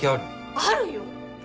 あるよ！